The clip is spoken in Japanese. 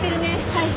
はい。